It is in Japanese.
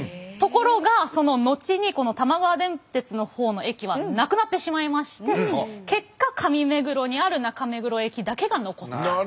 ところがその後にこの玉川電鉄の方の駅はなくなってしまいまして結果上目黒にある中目黒駅だけが残った。